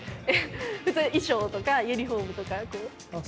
普通衣装とかユニフォームとか。